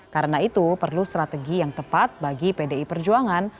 karena itu perlu strategi yang tepat bagi pdi perjuangan